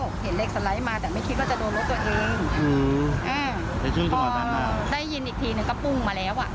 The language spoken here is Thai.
เห็นเหล็กสไลด์มาแต่ไม่คิดว่าจะโดนรถตัวเองอืมอ่าแต่ทีนี้พอได้ยินอีกทีหนึ่งก็ปุ้งมาแล้วอ่ะ